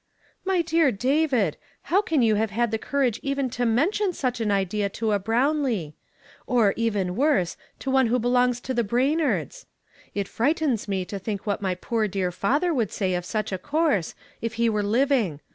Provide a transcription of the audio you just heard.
"My dear David I liow have you had the cour age even to mention such an i<lea to a Browidee? Or, even woree, to one who Ixdongs to the Brain ards ? It frightens me to think what my poor dear father would say of such a course, if he were liv ing.